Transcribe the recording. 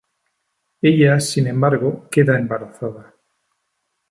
Ella, sin embargo, queda embarazada.